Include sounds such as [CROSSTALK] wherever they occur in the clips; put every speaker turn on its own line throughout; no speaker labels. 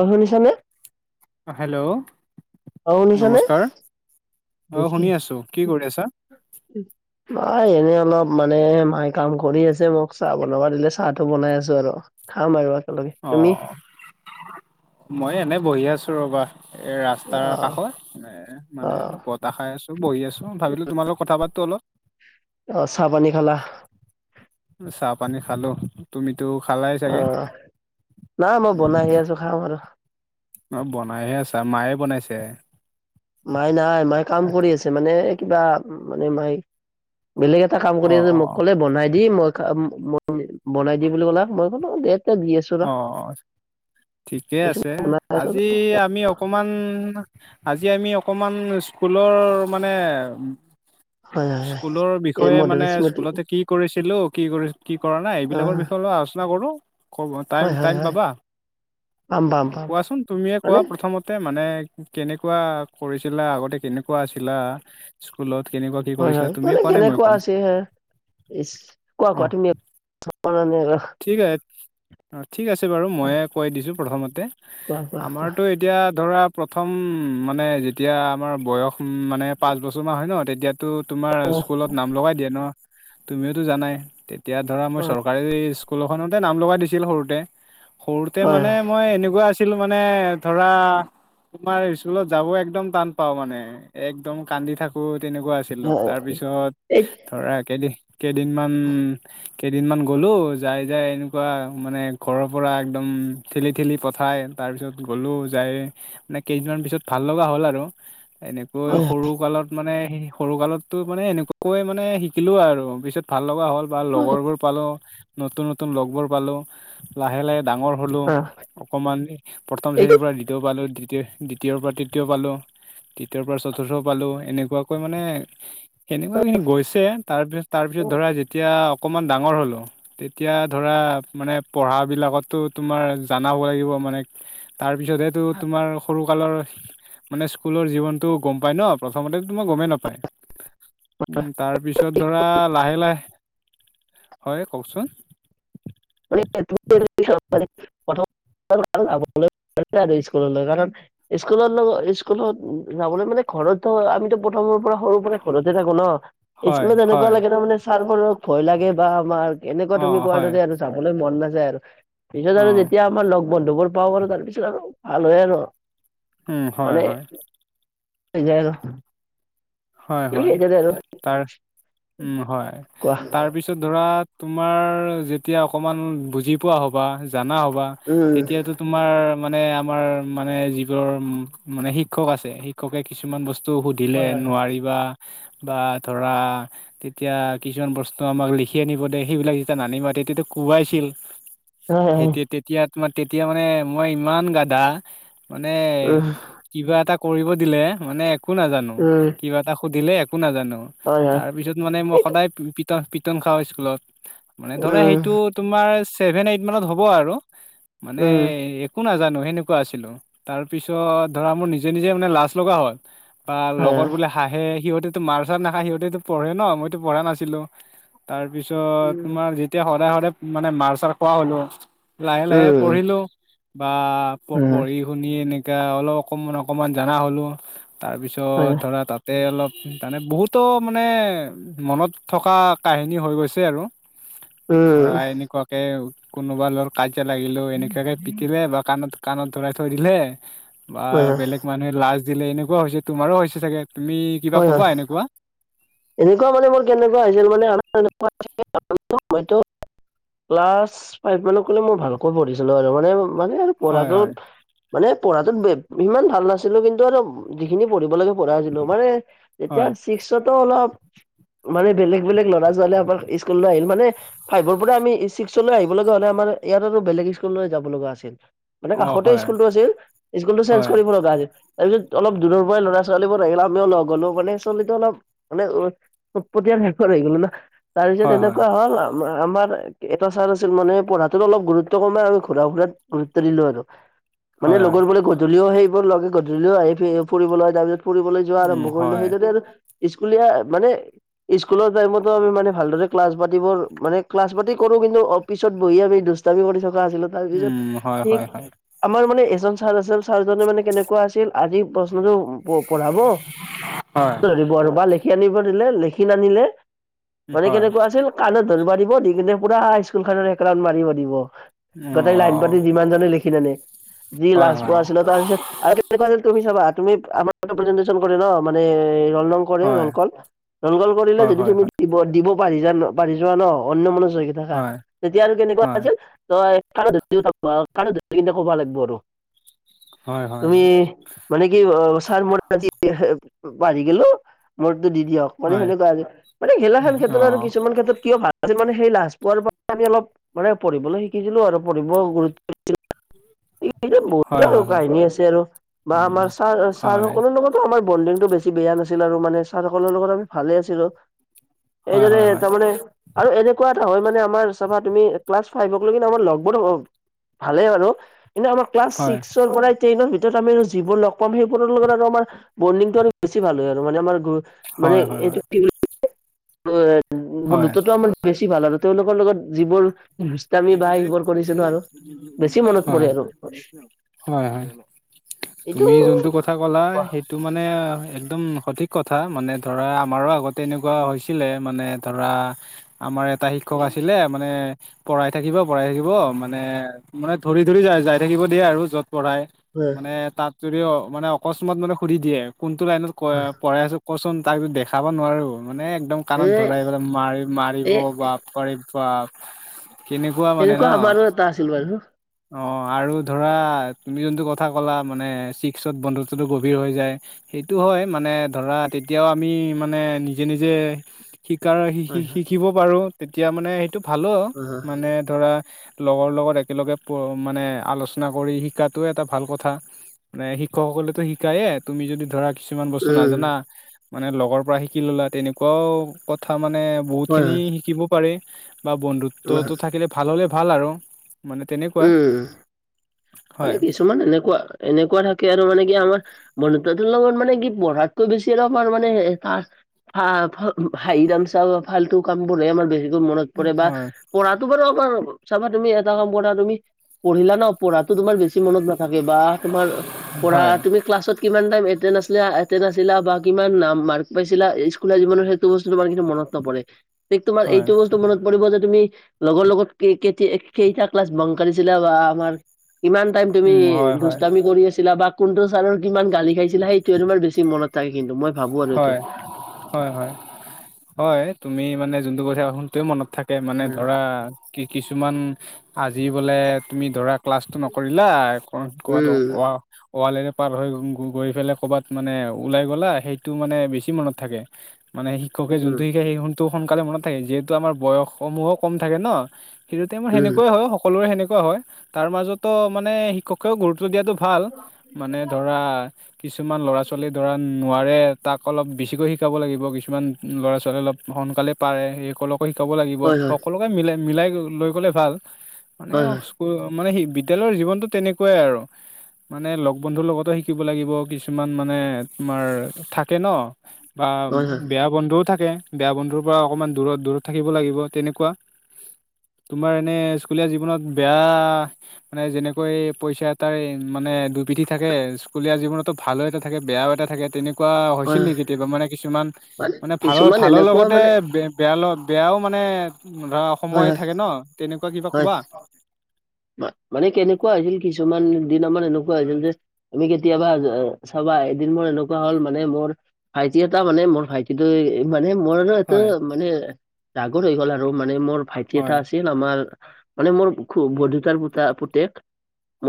অঁ, শুনিছানে?
অঁ, হেল্ল!
অ', শুনিছানে?
নমস্কাৰ, অঁ শুনি আছোঁ। কি কৰি আছা?
মই এনেই অলপ মানে মায়ে কাম কৰি আছে। মোক চাহ বনাব দিলে চাহটো বনাই আছো আৰু। খাম আৰু একেলগে।
অ
তুমি?
মই এনেই বহি আছো ৰ'বা এ ৰাস্তাৰ
অ',
কাষত এ মানে
অ',
ওপত চাহ খাইআছোঁ, বহিআছোঁ ভাৱিলোঁ তোমাৰ লগত কথা পাতো অলপ।
অঁ, চাহ পানী খালা?
চাহ পানী খালোঁ। তুমিটো খালাই চাগে?
অ', নাই মই বনাইহে আছো খাম আৰু।
অঁ, বনাইহে আছা? মায়ে বনাইছে?
মায় নাই, মায়ে কাম কৰি আছে। মানে, কিবা মানে মায় বেলেগ এটা কাম কৰি
অ
আছে।
অ
মোক ক'লে বনাই দে মই খাম মই বনাই দে বুলি ক'লে আও। মই ক'লো দে দে দি আছোঁ।
অঁ ঠিকে
তাৰপিছত
আছে।
বনাই আছো।
আজি আমি অকমান আজি আমি অকমান স্কুলৰ মানে
হয়, হয়, হয়,
স্কুলৰ
এই
বিষয়ে
মধুৰ
মানে
স্মৃতি
স্কুলতে কি কৰিছিলোঁ, কি কৰি কি কৰা নাই এইবিলাকৰ
অ',
বিষয়ে অলপ আলোচনা কৰোঁ। ক'বা
হয়,
টাইম-
হয়,
টাইম
হয়,
পাবা?
পাম, পাম, পাম।
কোৱাচোন তুমিয়ে কোৱা
মানে
প্ৰথমত তে মানে কেনেকুৱা কৰিছিলা, আগতে কেনেকুৱা আছিলা? স্কুলত কেনেকুৱা কি
হয়,
কৰিছিলা
হয়।
তুমিয়ে
মানে
কোৱা নাই মই
কেনেকুৱা
ক'ম
আছে হে স্ কোৱা,
অ
কোৱা তুমিয়ে [UNINTELLIGIBLE]
ঠিক আ অ ঠিক আছে বাৰু মইয়ে কৈ দিছোঁ প্ৰথমতে।
কোৱা কোৱা কোৱা
আমাৰটো এতিয়া ধৰা প্ৰথম মানে যেতিয়া আমাৰ বয়স মানে পাঁচ বছৰমান হয় ন' তেতিয়া টো তোমাৰ
অ
স্কুলত নাম লগাই দিয়ে ন' তুমিওটো জানাই? তেতিয়া ধৰা
অ
মই চৰকাৰী স্কুল এখনতে নাম লগাই দিছিল সৰুতে। সৰুতে
হয় হয়
মানে মই এনেকুৱা আছিলো মানে ধৰা তোমাৰ স্কুলত যাব একদম টান পাওঁ মানে। একদম কান্দি থাকো তেনেকুৱা আচি আছিলো
অ
তাৰপিছত
এই
ধৰা কেইদি কেইদিনমান কেইদিনমান গ'লো যাই যাই এনেকুৱা মানে ঘৰৰ পৰা একদম ঠেলি ঠেলি পঠাই তাৰপিছত গ'লোঁ যায় মানে কেইদিনমান পিছত ভাল লগা হ'ল আৰু। এনেকৈ
হয়
সৰু কালত মানে সৰু কালতটো মানে এনেকুৱাকৈ মানে শিকিলো আৰু পিছত ভাল লগা হ'ল বা
হয়
লগৰবোৰ পালোঁ। নতুন নতুন লগবোৰ পালোঁ। লাহে লাহে ডাঙৰ হ'লো
অ
অকমান। প্ৰথম
এইটো
শ্ৰেণীৰ পৰা দ্বিতীয় পালোঁ, দ্বিতীয় দ্বিতীয়ৰ পৰা তৃতীয় পালোঁ, তৃতীয়ৰ পৰা চতুৰ্থ পালোঁ, এনেকুৱাকৈ মানে সেনেকুৱাখিনি গৈছে। তাৰপিছ -তাৰপিছত ধৰা যেতিয়া অকমান ডাঙৰ হ'লো তেতিয়া ধৰা মানে পঢ়া বিলাকতটো তোমাৰ জনাব হ'ব লাগিব মানে তাৰপিছতহেটো তোমাৰ সৰুকালৰ মানে স্কুলৰ জীৱনটো গম পাই ন'। প্ৰথমটো তোমাৰ গমেই নাপায়। তাৰপিছত ধৰা লাহে লাহে হয় কওকচোন?
[UNINTELLIGIBLE] ইস্কুললৈ জান নাই। স্কুলত লগ স্কুলত যাবলৈ মানে ঘৰতটো আমিটো প্ৰথমৰ পৰা, সৰুৰ পৰা ঘৰতে থাকো ন'।
হয়
স্কুলত এনেকুৱা
হয়
লাগে তাৰমানে ছাৰবোৰক ভয় লাগে বা আমাৰ এনেকুৱা
অ
তুমি কোৱাৰ
হয়
দৰে আৰু যাবলৈ মন নাযায় আৰু। পিছত
অ
আৰু যেতিয়া আমাৰ লগ বন্ধু বোৰ পাওঁ আৰু তাৰপিছত আৰু ভাল হয় আৰু,
উম হয়
মানে
হয়
গে'ল।
হয়। হয়। তাৰ উম। হয়।
কোৱা
তাৰপিছ ধৰা তোমাৰ যেতিয়া অকণমান বুজি পোৱা হ'বা, জানা হ'বা।
উম
তেতিয়াতো তোমাৰ মানে আমাৰ মানে যিবোৰ মানে শিক্ষক আছে, শিক্ষকে কিছুমান বস্তু টো সুধিলে
হয় হয়
নোৱাৰিবা বা ধৰা তেতিয়া কিছুমান বস্তু আমাক লিখি আনিব দে সেইবিলাক যেতিয়া নানিবা তেতিয়াটো কোবাইছিল।
হয় হয়
সেতেতিয়া, তেতিয়া তোমাৰ তেতিয়া মানে মই ইমান গাধা মানে
উম
কিবা এটা কৰিব দিলে মানে একো নাজানো।
উম।
কিবা এটা সুধিলে একো নাজানো
হয় হয়
তাৰ পিছত মানে মই
উম
সদায় পিতন, পিতন খাওঁ স্কুলত মানে ধৰা সেইটোত তোমাৰ সেভেন এইট মানত হ'ব আৰু মানে
উম
একো নাজানো সেনেকুৱা আছিলো। তাৰ পিছত ধৰা মোৰ নিজে নিজে মানে লাজ লগা হ'ল। বা
হয়
লগৰ
হয়
বোলে হাহে। সিহঁতেতো মাৰ-চাৰ নাখায়, সিহঁতেতো পঢ়ে ন', মইতো পঢ়া নাছিলো। তাৰ পিছত
উম
তোমাৰ যেতিয়া সদায় সদায় মানে মাৰ চাৰ খোৱা হ'লো লাহে লাহে
উম
পঢ়িলো বা প পঢ়ি শুনি এনেকা অলপ অকণমান, অকণমান জনা হ'লো।
হয়
তাৰপিছত
হয়
ধৰা তাতে অলপ, সেইকাৰণে বহুতো মানে মনত থকা কাহিনী হৈ গৈছে আৰু ধৰা
উম
এনেকুৱাকে কোনোবা লৰ কাজিয়া লাগিলেও এনেকুৱাকে পিটিলে ব কানত কাণত ধৰাই থৈ দিলে বা
হয় হয়
বেলেগ মানুহে লাজ দিলে এনেকুৱা হৈছে তোমাৰো হৈছে। চাগে তুমি কিবা
হয় হয়
ক'বা এনেকুৱা।
এনেকুৱা মানে মোৰ কেনেকুৱা হৈছিল মানে [UNINTELLIGIBLE] ক্লাছ ফাইভ মানক কলে মই ভালকৈ পঢ়িছিলো আৰু মানে মানে
হয়
পঢ়াটো
হয়
মানে পঢ়াটোত সিমান ভাল নাছিলো কিন্তু আৰু যিখিনি পঢ়িব লাগে পঢ়ছিলো মানে যেতিয়া
হয়
চিক্সতো অলপ মানে, বেলেগ বেলেগ ল'ৰা ছোৱালী আমাৰ স্কুললৈ আহিল মানে ফাইভৰ পৰা আমি ছিক্সলৈ আহিব লগা হ'লে আমাৰ ইয়াত আৰু বেলেগ স্কুললৈ যাব লগা আছিল। মানে
অ
কাষতে
হয়
স্কুলটো আছিল স্কুল টো চেঞ্জ
হয়
কৰিব লগা আজ তাৰ পিছত অলপ দূৰৰ পৰাই ল'ৰা ছোৱালীবোৰ আহিল আত্মীয় লগ গ'লো মানে আচলীটো অলপ মানে উটপটীয়া শেষৰ হৈ গলো না তাৰ পিছত
হয় হয়
এনেকুৱা হ'ল আৰু আমাৰ এটা ছাৰ আছিল মানে পঢ়াটোত অলপ গুৰুত্ব কমে আমি ঘুৰা ফুৰাত গুৰুত্ব দিলো আৰু মানে
হয়
লগৰ
হয়
বোলে গধূলিও সেইবোৰ লগে গধূলিও আহি ফুৰিবলৈ হয় তাৰ পিছত ফুৰিবলৈ যোৱা
উম
আৰম্ভ কৰিলো
হয়
সেইদৰে আৰু স্কুলীয়া মানে স্কুলৰ টাইমতো আমি মানে ভালদৰে ক্লাছ পাতিবোৰ মানে ক্লাছ পাতি কৰো কিন্তু পিছত বহি আমি দুষ্টামি কৰি থকা আছিলো তাৰ পিছত
উম হয়
ঠিক
হয় হয়
আমাৰ মানে এজন ছাৰ আছিল ছাৰজনে মানে কেনেকুৱা আছিল আজি প্ৰশ্নটো পঢ়াব,
হয়
ধৰিব আৰু বা লিখি আনিব দিলে লেখি নানিলে মানে
হয়
কেনেকুৱা আছিল কাণত ধৰিব দিব দি পিনে পুৰা হাইস্কুল খত এক ৰাউণ্ড মাৰিব দিব।
অ
গোটেই লাইন পাতি যিমান জনে লিখি আনে যি
হয়
লাজ
হয়
পোৱা আছিল তাৰ পিছত আৰু তুমি চাবা তুমি আমাৰ প্ৰেজেটেচন কৰে ন মানে ৰলং ৰল
হয়
ৰল ক কৰিলে
হয়
যদি
হয়
তুমি দিব দিব পাৰি যাৰি যোৱা ন অন্য মানুহ হৈ
হয়
তেতিয়া আৰু কেনেকুৱা আছিল
হয়
[UNINTELLIGIBLE]
হয় হয়
তুমি মানে কি অ ছাৰ মই আজি পাহ-ৰি গেলো মোৰতো দি দিয়ক মানে সেনেকুৱা আৰু মানে হেলাখান
হয় হয় হয় অ
ক্ষেত্ৰত আৰু কিছুমান ক্ষেত্ৰত কিয় ভাল আজি মানে সেই লাজ পোৱাৰ পৰা আমি অলপ মানে পঢ়িবলৈ শিকিছিলো আৰু পঢ়িব গুৰুত্ব
[UNINTELLIGIBLE]
এ
হয়
বহুতে আৰু
হয় হয়
কাহিনী আছে আৰু বা
উম
আমাৰ ছাৰ
হয়
ছাৰ
হয়
সকলৰ লগত আমাৰ বণ্ডিং টো বেছি বেয়া নাছিল আৰু মানে ছাৰ সকলৰ লগত আমি ভালে আছিলো
হয়
এইদৰে তাৰমানে আৰু এনেকুৱা এটা হয় মানে আমাৰ চাবা তুমি ক্লাছ ফাইভক লগি আমাৰ লগবোৰ হওক ভালে বাৰু কিন্তু আমাৰ ক্লাছ
হয়
ছিক্সৰ পৰাই ট্ৰেইনৰ ভিতৰত আমি যিবোৰ লগ পাম সেইবোৰৰ লগত আৰু আমাৰ বণ্ডিংটো আৰু বেছি ভাল হয় আৰু মানে আমাৰ গ্ৰ মানে
হয় হয় হয় হয়
এইটো কি উ
হয়
বন্ধুত্বটো আমাৰ বেছি ভাল আৰু তেওঁলোকৰ লগত যিবোৰ দুষ্টামি বা সেইবোৰ কৰিছিলো আৰু বেছি মনত পৰে
হয়
আৰু
হয় হয়
এইটো
তুমি যোনটো কথা ক'লা সেই সেইটো মানে একদম সঠিক কথা মানে ধৰা আমাৰো আগতে এনেকুৱা হৈছিলে মানে ধৰা আমাৰ এটা শিক্ষক আছিলে মানে পঢ়াই থাকিব পঢ়াই থাকিব মানে মানে ধৰি ধৰি যাই যাই থাকিব দিয়ে আৰু য'ত পঢ়াই
হয়
মানে তাত যদিও মানে অকস্মাত মানে সুধি দিয়ে কোনটো লাইনত ক
হয়
পঢ়াই আছো কচোন তাপি দেখাব নোৱাৰো মানে একদম
এ
কাণত ধৰাই পেলাই মাৰি মাৰিব
এ
বা পৰে বাপ কেনেকুৱা মানে ন
এনেকুৱা আমাৰো এটা আছিল বাৰু
অ আৰু ধৰা তুমি যোনটো কথা ক'লা মানে চিক্সত বন্ধত্বটো গভীৰ হৈ যায় সেইটো হয় মানে ধৰা তেতিয়াও আমি মানে নিজে নিজে শিকাৰ শি শি
হয়
শিকিব পাৰোঁ তেতিয়া মানে সেইটো ভালো
হয় হয়
মানে ধৰা লগৰ লগত একেলগে প মানে আলোচনা কৰি শিকাটো এটা ভাল কথা মানে শিক্ষকসকলে তো শিকায়ে তুমি যদি ধৰা কিছুমান বস্তু
উম
নাজানা মানে লগৰ পৰা শিকি ললা তেনেকুৱাও কথা মানে বহুত
হয়
খিনি
হয়
শিকিব পাৰি বা বন্ধুত্বটো থাকিলে ভাল হ'লে ভাল আৰু মানে তেনেকুৱা
উম
হয়
মানে কিছুমান এনেকুৱা এনেকুৱা থাকে আৰু মানে কি আমাৰ বন্ধুত্বহতৰ লগত মানে কি পঢ়াতকৈ বেছি আৰু আমাৰ মানে হে হা হা ফ উম হাহি তামছা ফাল্টু কাম বোৰে আমাৰ বেছিকৈ মনত
উম,
পঢ়ে বা
হয়,
পঢ়াটো বাৰু আমাৰ চাবা তুমি এটা কাম কৰা তুমি পঢ়িলা ন পঢ়া টো তোমাৰ বেছি মনত নাথাকে বা তোমাৰ পঢ়া
হয়,
তুমি ক্লাছত কিমান টাইম এটেন আছিলা এটেন আছিলা বা কিমান নাম মাৰ্ক পাইছিলা কোলা জীৱনৰ সেইটো বস্তু তোমাৰ কিন্তু মত নপৰে এই তোমাৰ
হয়,
এইটো বস্তু মনত কৰিব যে তুমি লগৰ লগত কে কেতি কেইটা ক্লাছ বং কাৰিছিলা বা আমাৰ কিমান টাইম তুমি
উম, হয়, হয়,
দুস্তামি কৰি আছিলা বা কোনটো ছাৰৰ কিমান গালি খাইছিলা সেইটোয়ে তোমাৰ বেছি মনত থাকে কিন্তু মই ভাবো আৰু
হয়,
এইটো
হয় হয় হয় তুমি মানে যোনটো কথা সোনটোৱে মনত থাকে মানে
উম
ধৰা কি কিছুমান আজি বোলে তুমি ধৰা ক্লাছটো নকৰিলা ক কোৱাটো
উম
কোৱা ৱালেৰে পাৰ হৈ গ গৈ পেলাই কৰবাত মানে ওলাই গ'লা সেইটো মানে বেছি মনত থাকে মানে শিক্ষকে যোনটো শিকাই সেইকণ টো সোনকালে মনত থাকে যিহেতু আমাৰ বয়সসমূহো কম থাকে ন সেইটো টাইমত
উম
সেনেকুৱাই হয় সকলোৰে সেনেকুৱা হয় তাৰ মাজতো মানে শিক্ষক কেও গুৰুত্ব দিয়াটো ভাল মানে ধৰা কিছুমান ল'ৰা ছোৱালী ধৰা নোৱাৰে তাক অলপ বেছিকৈ শিকাব লাগিব কিছুমান ল'ৰা ছোৱালী অলপ সোনকালে পাৰে সেইসকলক কৈ শিকাব লাগিব
হয় হয়
সকলোকে মিলাই মিলাই লৈ গ'লে ভাল মানে
হয়
মানে সেই বিদ্যালয়ৰ জীৱনতটো তেনেকুৱাই আৰু মানে লগ বন্ধুৰ লগতো শিকিব লাগিব কিছুমান মানে তোমাৰ থা থাকে ন বা
হয় হয় হয়
বেয়া বন্ধুও থাকে বেয়া বন্ধুৰ পৰা অকণমান দূৰত দূৰত থাকিব লাগিব তেনেকুৱা তোমাৰ এনে স্কুলীয়া জীৱনত বেয়া মানে যেনেকৈ পইচা এটাৰ মানে দুপিঠি থাকে স্কুলীয়া জীৱনতো ভালো এটা থাকে বেয়াও এটা থাকে তেনেকুৱা
হয়
হৈছিল
হয়
নেকি কেতিয়াবা মানে কিছুমান মানে ভালৰ
কিছুমান
ভালৰ
এনেকুৱা
লগতে
মানে
বে বেয়া লগত বেয়াও মানে ধৰা
হয়
সময়
হয়
থাকে ন তেনেকুৱা কিবা
হয়
ক'বা
মানে কেনেকুৱা হৈছিল কিছুমান দিনত মানে এনেকুৱা হৈছিল যে তুমি কেতিয়াবা চাবা এদিন মোৰ এনেকুৱা হ'ল মানে মোৰ ভাইটি এটা মানে মোৰ ভাইটি কিন্তু এই মানে মোৰ এইটো
হয়
মানে ডাঙৰ হৈ গল আৰু মানে মোৰ ভাইটি এটা
হয়
আ আছিল আমাৰ মানে মোৰ খু বৰদেউতাৰ পুতা পুতেক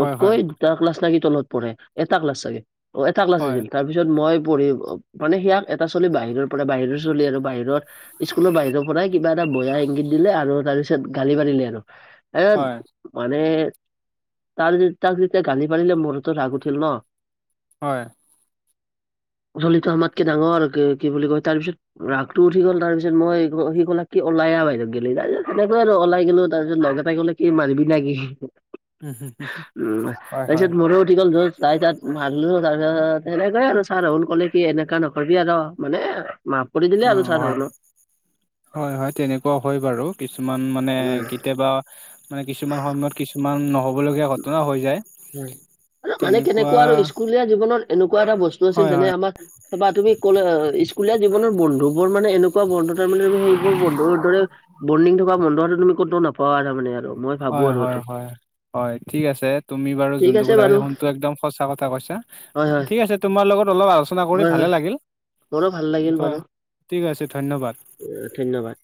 হয় হয়
এটা ক্লাছ থাকি তলত পঢ়ে এটা ক্লাচ চাগে অহ এটা ক্লাচ
হয়
আছিল তাৰ পিছত মই পঢ়ি মানে সেয়াক এটা চলি বাহিৰৰ পৰা বাহিৰৰ চলি আৰু বাহিৰত স্কুলৰ বাহিৰৰ পৰাই কিবা এটা বজাই ইংগিত দিলে আৰু তাৰ পিছত গালি মাৰিলে আৰু এ
হয়
মানে তাৰ তাক যেতিয়া গালি পাৰিলে মোৰতো ৰাগ উঠিল ন
হয়
জলিটো আমাতকে ডাঙৰ আৰু কি বুলি কয় তাৰপিছত ৰাসটো উঠি গ'ল তাৰপিছত মই সি কলে কি উলাই আহা বাইদেউ গ'ি [UNINTELLIGIBLE] তাৰিছতনেকে আৰু লাই গলো তাৰপিছত লগ উলাই গলে কি মাৰিবি না কি উম
হয় হয়
তাৰপিছত মোৰো উঠি গ'ল য তাই তাত মাৰিলোঁ তাৰপিছত সেনেকয়ে আৰু ছাৰ ৰাহুল ক'লে কি এনেকুৱা নকৰিবি আৰু মানে মাফ কৰি দিলে আৰু
অহ হয়
ছাৰহঁতে।
হয় হয় তেনেকুৱা হয় বাৰু কিছুমান মানে
উম,
কেতিয়াবা মানে কিছুমান সময়ত কিছুমান নহ'ব নহব লগীয়া ঘটনা হৈ যায়
উম। আৰু মানে
তেনেকুৱা
কেনেকুৱা আৰু স্কুলীয়া জীৱনত এনেকুৱা এটা বস্তু আছিল
হয়
যেনে
হয়
আমাৰ কবা তুমি কলে অহ স্কুলীয়া জীৱনৰ বন্ধু বোৰ মানে এনে এনেকুৱা বন্ধ তাৰ তুমি সেইবোৰ বন্ধ দৰে বৰ্ডিং থকা বন্ধটো তুমি ক'তও নাপোৱা তাৰ মানে আৰু মই ভাবো
হয়
আৰু
হয়
এইটো
হয় হয় ঠিক আছে তুমি বাৰু
ঠিক
যোনটো
আছে
কথা
বাৰু
কৈছা সোনটো একদম সঁচা কথা কৈছা
হয়, হয়,
ঠিক আছে তোমাৰ লগত অলপ আলোচনা কৰি ভালে লাগিল
মোৰ ভাল লাগে
অহ ঠিক আছে ধন্যবাদ
ধন্যবাদ